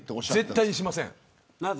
絶対にしません。